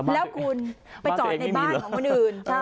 แล้วคุณไปจอดในบ้านของคนอื่น